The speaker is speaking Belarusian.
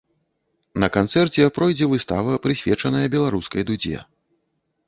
На канцэрце пройдзе выстава, прысвечаная беларускай дудзе.